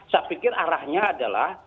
saya pikir arahnya adalah